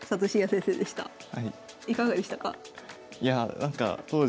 いかがでしたか？